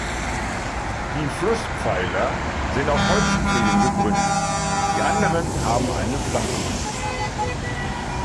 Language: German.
Die Flusspfeiler sind auf Holzpfählen gegründet, die anderen haben eine Flachgründung.